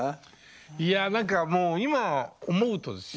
いや何かもう今思うとですよ